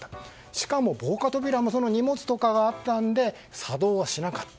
しかも防火扉も荷物とかがあったんで作動はしなかった。